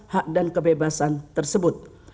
hak dan kebebasan tersebut